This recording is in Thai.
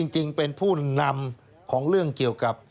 จริงเป็นผู้นำของเรื่องเกี่ยวกับ